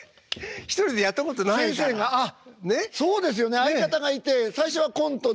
相方がいて最初はコントで。